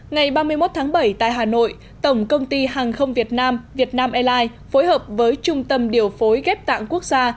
ngày ba mươi một tháng bảy tại hà nội tổng công ty hàng không việt nam vietnam airlines phối hợp với trung tâm điều phối ghép tạng quốc gia